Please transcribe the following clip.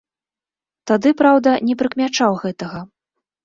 Тады, праўда, не прыкмячаў гэтага.